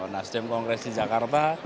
nasdem kongres di jakarta